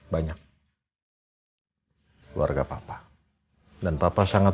mungkin mereka ke jebak macet